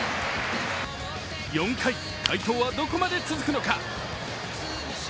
４回、快投はどこまで続くのか。